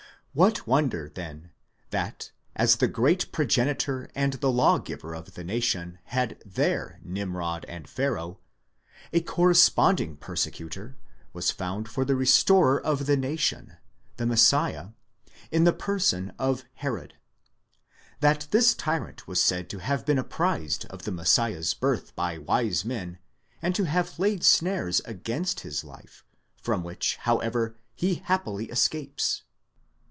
49 What wonder then, that, as the great progenitor and the lawgiver of the nation had their Nimrod and Pharaoh, a corresponding persecutor was found for the restorer of the nation, the Messiah, in the person of Herod ;—that this tyrant was said to have been apprised of the Messiah's birth by wise men, and to have laid snares against his life, from which, however, he happily escapes?